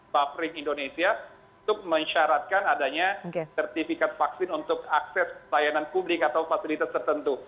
papering indonesia untuk mensyaratkan adanya sertifikat vaksin untuk akses layanan publik atau fasilitas tertentu